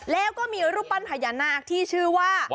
แล้วก็มีรูปปั้นพญานาคที่ชื่อว่า